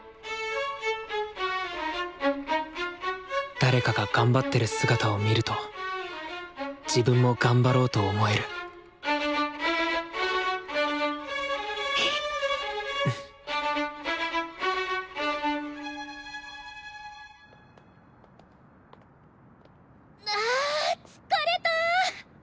誰かが頑張ってる姿を見ると自分も頑張ろうと思えるあ疲れた！